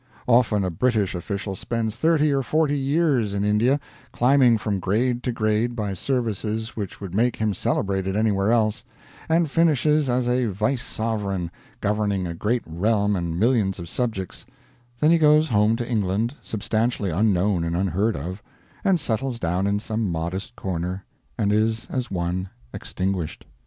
Often a British official spends thirty or forty years in India, climbing from grade to grade by services which would make him celebrated anywhere else, and finishes as a vice sovereign, governing a great realm and millions of subjects; then he goes home to England substantially unknown and unheard of, and settles down in some modest corner, and is as one extinguished.